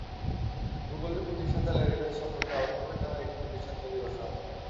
গুগলের প্রতিষ্ঠাতা Larry Page সম্প্রতি অ্যালফাবেট নামের একটি প্রতিষ্ঠান তৈরির ঘোষণা দেন।